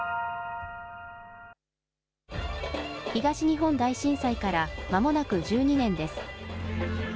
東日本大震災からまもなく１２年です。